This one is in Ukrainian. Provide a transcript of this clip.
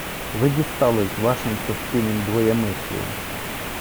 Ви дістали з вашим постійнім двоємислієм.